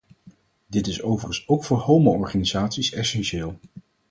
Dit is overigens ook voor homo-organisaties essentieel.